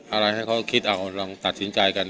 อะไรให้เขาคิดเอาลองตัดสินใจกัน